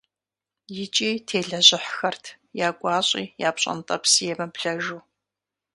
ИкӀи телэжьыхьхэрт я гуащӀи, я пщӀэнтӀэпси емыблэжу.